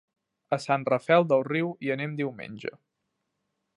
A Sant Rafel del Riu hi anem diumenge.